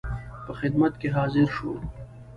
په خدمت کې حاضر شو.